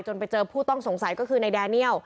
ไปเจอผู้ต้องสงสัยก็คือในแดเนียล